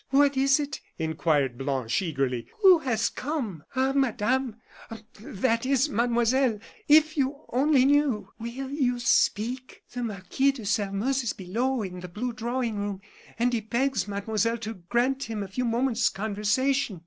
"What is it?" inquired Blanche, eagerly. "Who has come?" "Ah, Madame that is, Mademoiselle, if you only knew " "Will you speak?" "The Marquis de Sairmeuse is below, in the blue drawing room; and he begs Mademoiselle to grant him a few moments' conversation."